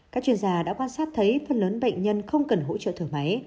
các chuyên gia đã quan sát thấy phần lớn bệnh nhân không cần hỗ trợ thở máy